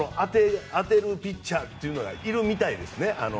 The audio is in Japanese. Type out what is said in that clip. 当てるピッチャーというのがいるみたいですね。